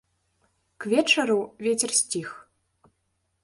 К вечару вецер сціх.